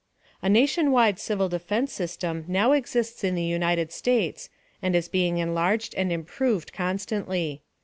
A nationwide civil defense system now exists in the United States, and is being enlarged and improved constantly.